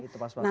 itu pas banget